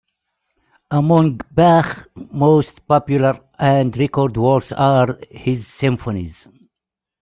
Among Bach's most popular and recorded works are his symphonies.